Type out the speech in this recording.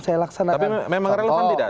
saya laksanakan tapi memang relevan tidak